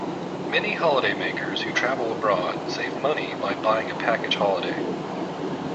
Many holidaymakers who travel abroad save money by buying a package holiday